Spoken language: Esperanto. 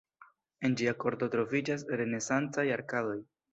En ĝia korto troviĝas renesancaj arkadoj.